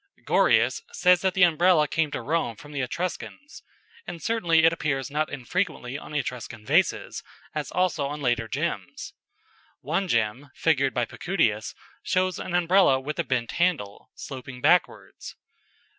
"] Gorius says that the Umbrella came to Rome from the Etruscans, and certainly it appears not infrequently on Etruscan vases, as also on later gems. One gem, figured by Pacudius, shows an Umbrella with a bent handle, sloping backwards.